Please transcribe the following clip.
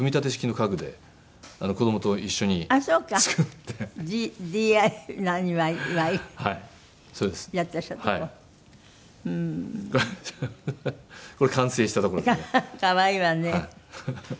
可愛いわね。